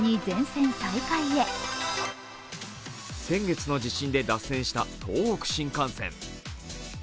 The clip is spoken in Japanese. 先月の地震で脱線した東北新幹線。